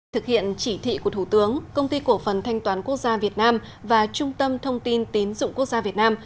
thực hiện chỉ thị của thủ tướng công ty cổ phần thanh toán quốc gia việt nam và trung tâm thông tin tín dụng quốc gia việt nam